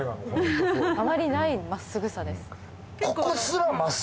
あまりないまっすぐさです。